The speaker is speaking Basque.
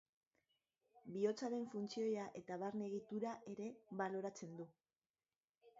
Bihotzaren funtzioa eta barne egitura ere baloratzen du.